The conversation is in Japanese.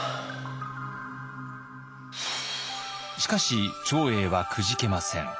しかし長英はくじけません。